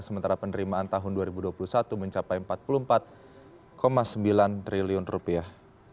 sementara penerimaan tahun dua ribu dua puluh satu mencapai empat puluh empat sembilan triliun rupiah